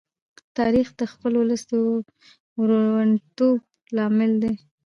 تاریخ د خپل ولس د وروڼتوب لامل دی.